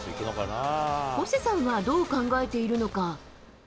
ホセさんはどう考えているのか。